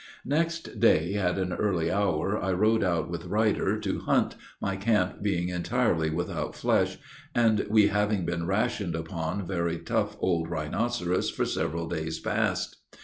Next day, at an early hour, I rode out with Ruyter to hunt, my camp being entirely without flesh, and we having been rationed upon very tough old rhinoceros for several days past.